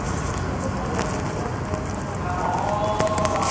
カジュアルそれこそスウェットとか。